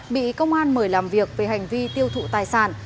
bị công an mời làm việc về hành vi tiêu thụ tài sản